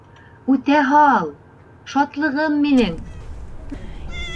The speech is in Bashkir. Үтә һал, шатлығым минең.